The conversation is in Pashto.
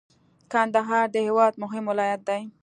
کندهار د هیواد مهم ولایت دی.